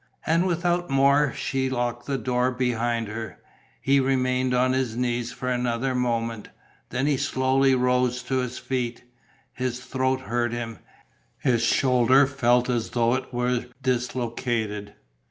And without more she locked the door behind her. He remained on his knees for another moment. Then he slowly rose to his feet. His throat hurt him. His shoulder felt as though it were dislocated.